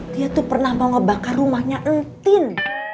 dia tuh pernah mau ngebakar rumahnya entin